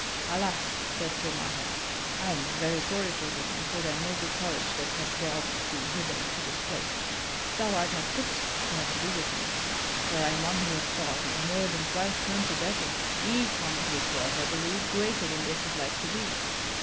"Alas!" said Sir Marhaus, "I am very sorry for thee and for thy noble courage that hath brought thee hither to this place. Thou art not fit to have to do with me, for I am one who hath fought in more than twice twenty battles, each one of which was, I believe, greater than this is like to be.